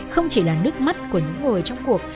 không chỉ là nước mắt của những người trong cuộc